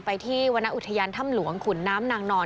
ไปที่วรรณอุทยานถ้ำหลวงขุนน้ำนางนอน